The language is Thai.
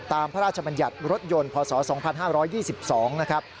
พระราชบัญญัติรถยนต์พศ๒๕๒๒นะครับ